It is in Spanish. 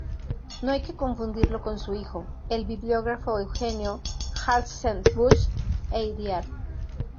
No hay que confundirlo con su hijo, el bibliógrafo Eugenio Hartzenbusch e Hiriart.